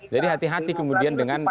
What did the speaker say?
jadi hati hati kemudian dengan